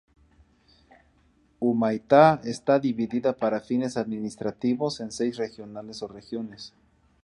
Humaitá está dividida para fines administrativos en seis regionales o regiones.